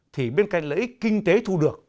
thì bên cạnh lợi ích kinh tế thu được